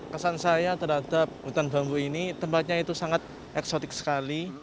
kesan saya terhadap hutan bambu ini tempatnya itu sangat eksotik sekali